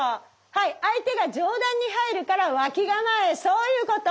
はい相手が上段に入るから脇構えそういうこと。